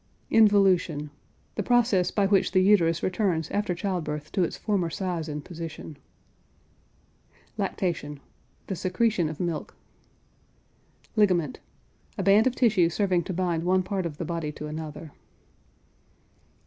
INVOLUTION. The process by which the uterus returns after child birth to its former size and position. LACTATION. The secretion of milk. LIGAMENT. A band of tissue serving to bind one part of the body to another.